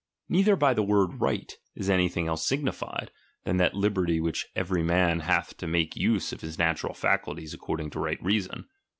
Neither by the word right chap, v is anything else signified, than that liberty which ''' every man hath to make use of his natural faculties according to right reason.